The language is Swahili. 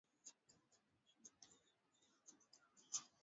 titanic ilikuwa inachukua abiria elfu mbili mia tano hamsini na sita